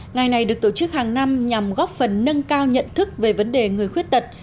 ngày này được tổ chức hàng năm nhằm góp phần nâng cao nhận thức về vấn đề người khuyết tật